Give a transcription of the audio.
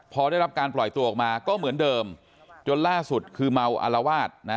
พอได้รับการปล่อยตัวออกมาก็เหมือนเดิมจนล่าสุดคือเมาอารวาสนะ